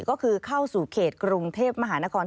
ก็คือเข้าสู่เขตกรุงเทพมหานคร